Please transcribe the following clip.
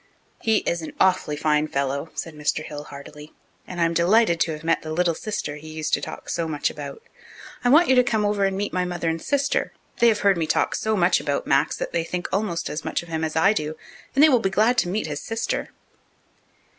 "He is an awfully fine fellow," said Mr. Hill heartily, "and I'm delighted to have met the 'little sister' he used to talk so much about. I want you to come ever and meet my mother and sister. They have heard me talk so much about Max that they think almost as much of him as I do, and they will be glad to meet his sister."